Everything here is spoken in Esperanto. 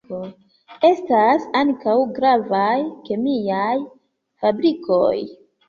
Estas ankaŭ gravaj kemiaj fabrikoj.